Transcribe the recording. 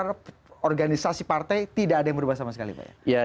karena organisasi partai tidak ada yang berubah sama sekali pak ya